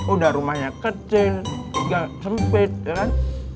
udah rumahnya kecil juga sempit ya kan